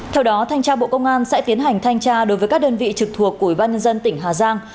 theo đó thanh tra bộ công an sẽ tiến hành thanh tra đối với các đơn vị trực thuộc của ủy ban nhân dân tỉnh hà giang